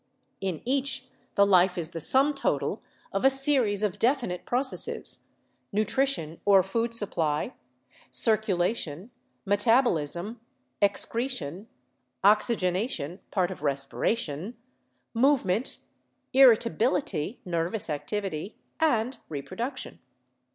In each the life is the sum total of a series of defi nite processes — nutrition or food supply, circulation, met abolism, excretion, oxygenation (part of respiration), movement, irritability (nervous activity) and reproduction.